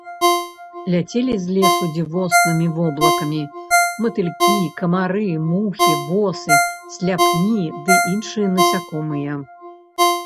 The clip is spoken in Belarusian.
Ляцелі з лесу дзівоснымі воблакамі матылькі, камары, мухі, восы, сляпні ды іншыя насякомыя.